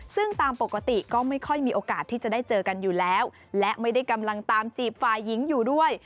ซึ่งตามปกติก็ไม่ค่อยมีโอกาสที่จะได้เจอกันอยู่แล้วและไม่ได้กำลังตามจีบฝ่ายหญิงอยู่ด้วย